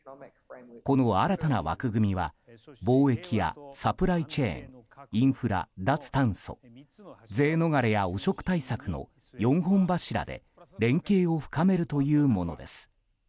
この新たな枠組みは貿易やサプライチェーンインフラ・脱炭素税逃れや汚職対策の４本柱で連携を深めるというものです。